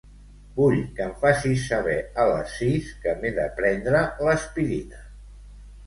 Vull que em facis saber a les sis que m'he de prendre l'aspirina.